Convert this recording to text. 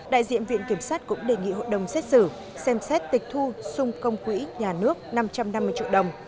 đại diện viện kiểm sát cũng đề nghị hội đồng xét xử xem xét tịch thu xung công quỹ nhà nước năm trăm năm mươi triệu đồng